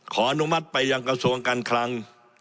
อนุมัติไปยังกระทรวงการคลัง